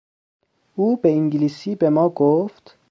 او به انگلیسی به ما گفت...